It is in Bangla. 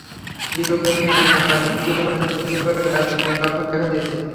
গৃহকর্মী আমিনা ময়লা পুকুরের পানিতে গোসল করায় গায়ে চুলকানির লক্ষণ দেখা দিয়েছে।